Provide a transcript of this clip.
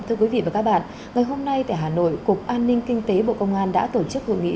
thưa quý vị và các bạn ngày hôm nay tại hà nội cục an ninh kinh tế bộ công an đã tổ chức hội nghị